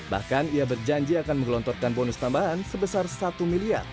bahkan ia berjanji akan menggelontorkan bonus tambahan sebesar satu miliar